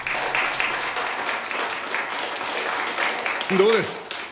どうです？